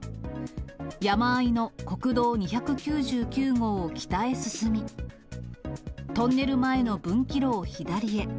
山あいの国道２９９号を北へ進み、トンネル前の分岐路を左へ。